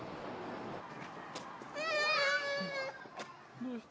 どうした？